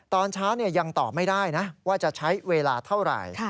ตอนเช้ายังตอบไม่ได้นะว่าจะใช้เวลาเท่าไหร่